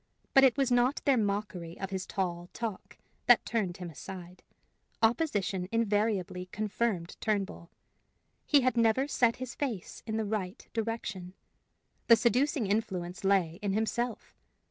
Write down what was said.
But it was not their mockery of his tall talk that turned him aside; opposition invariably confirmed Turnbull. He had never set his face in the right direction. The seducing influence lay in himself.